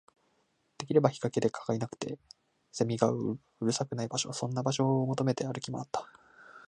できれば日陰で、蚊がいなくて、蝉がうるさくない場所、そんな場所を求めて歩き回った